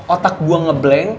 otak gua ngeblank